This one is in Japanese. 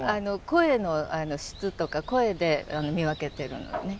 声の質とか声で見分けてるのね